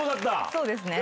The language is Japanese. そうですね。